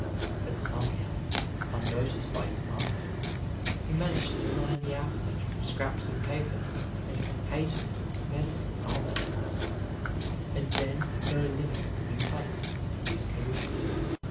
But somehow, unnoticed by his master, he managed to learn the alphabet from scraps of paper and patent medicine almanacs, and then no limits could be placed to his career.